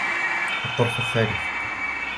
الطرفة الثالثة